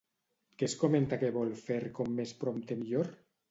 Què es comenta que vol fer com més prompte millor?